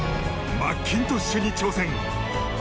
マッキントッシュに挑戦！